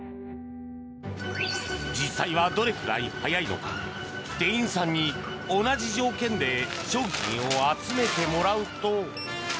実際はどれくらい速いのか店員さんに、同じ条件で商品を集めてもらうと。